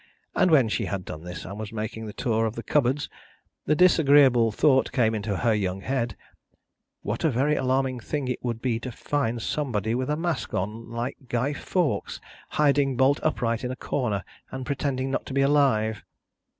And when she had done this, and was making the tour of the cupboards, the disagreeable thought came into her young head, What a very alarming thing it would be to find somebody with a mask on, like Guy Fawkes, hiding bolt upright in a corner and pretending not to be alive!